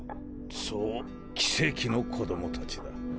そう奇蹟の子どもたちだ。